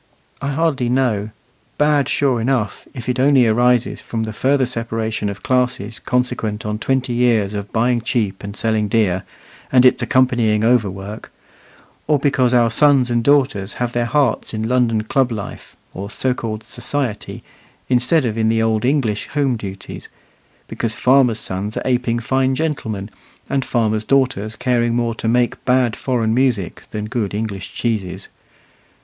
I hardly know. Bad, sure enough, if it only arises from the further separation of classes consequent on twenty years of buying cheap and selling dear, and its accompanying overwork; or because our sons and daughters have their hearts in London club life, or so called "society," instead of in the old English home duties; because farmers' sons are apeing fine gentlemen, and farmers' daughters caring more to make bad foreign music than good English cheeses.